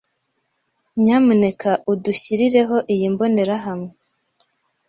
Nyamuneka udushyirireho iyi mbonerahamwe.